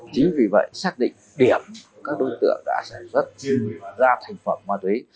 chính vì vậy xác định điểm các đối tượng đã sản xuất ra thành phẩm hoa thuế